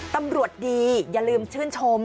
ตำรวจดีอย่าลืมชื่นชม